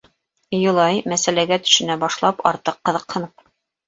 Юлай, мәсьәләгә төшөнә башлап, артыҡ ҡыҙыҡһынып: